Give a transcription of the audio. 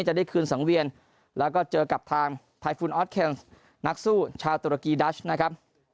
จะได้คืนสังเวียนแล้วก็เจอกับทางไยฟุนออสเคนสนักสู้ชาวตุรกีดัชนะครับ